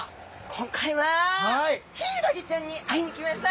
今回はヒイラギちゃんに会いに来ました。